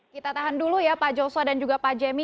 kita tahan dulu ya pak joshua dan juga pak jemi